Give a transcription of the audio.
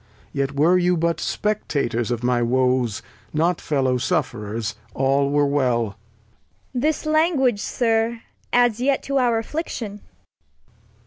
Yet were you but Spectatours of my Woes, Not FeUow Sufferers, aU were well ! Cord. This Language, Sir, adds yet to our Afflic tion.